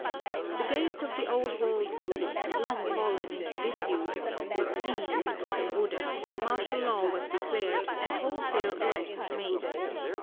The gates of the old Walled City, long fallen into disuse, were cleaned and put in order, martial law was declared, and wholesale arrests made.